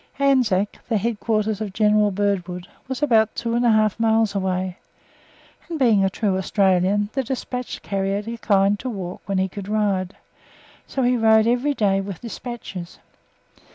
Anzac, the Headquarters of General Birdwood, was about two and a half miles away; and, being a true Australian, the despatch carrier declined to walk when he could ride, so he rode every day with despatches.